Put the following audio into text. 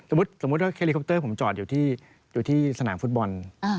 สมมุติว่าเฮลิคอปเตอร์ผมจอดอยู่ที่สนามฟุตบอล